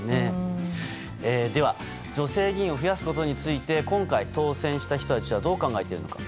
では、女性議員を増やすことについて今回当選した人たちはどう考えているのか。